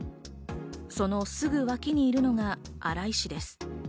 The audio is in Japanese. そのすぐ脇にいるのが荒井氏です。